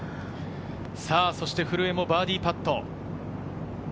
そして古江もバーディーパット。